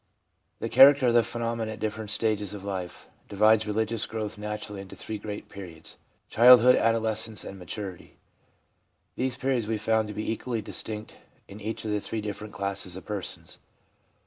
The character of the phenomena at different stages of life divides religious growth naturally into three great periods — childhood, adolescence, and maturity. These periods we found to be equally distinct in each of the three different classes of persons.